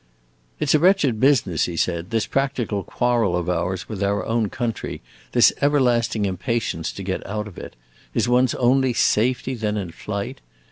"It 's a wretched business," he said, "this practical quarrel of ours with our own country, this everlasting impatience to get out of it. Is one's only safety then in flight?